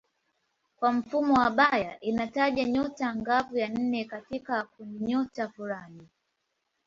Katika mfumo wa Bayer inataja nyota angavu ya nne katika kundinyota fulani.